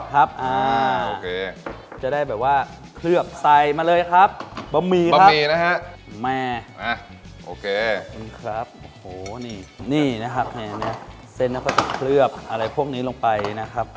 ครับจะได้แบบว่าเคลือบใส่มาเลยครับบะหมี่นะครับแม่ขอบคุณครับนี่นะครับเส้นแล้วก็จะเคลือบอะไรพวกนี้ลงไปนะครับ